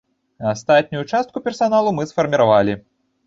Астатнюю частку персаналу мы сфарміравалі.